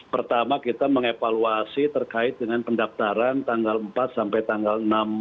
pertama kita mengevaluasi terkait dengan pendaftaran tanggal empat sampai tanggal enam